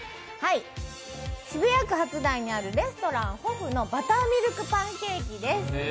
渋谷区初台にあるレストランＨＯＦＦのバターミルクパンケーキです。